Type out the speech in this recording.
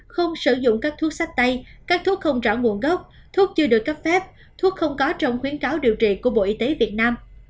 không sử dụng các thuốc sách tay các thuốc không rõ nguồn gốc thuốc chưa được cấp phép thuốc không có trong khuyến cáo điều trị của bộ y tế việt nam